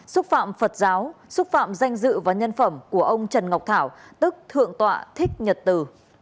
xúc phạm phật giáo xúc phạm danh dự và nhân phẩm của ông trần ngọc thảo tức thượng tọa thích nhật từ